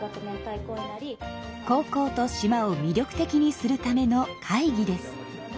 高校と島を魅力的にするための会議です。